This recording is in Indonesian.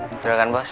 kepinteran kan bos